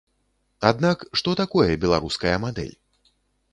Аднак што такое беларуская мадэль?